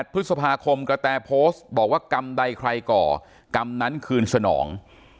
พฤษภาคมกระแตโพสต์บอกว่ากรรมใดใครก่อกรรมนั้นคืนสนอง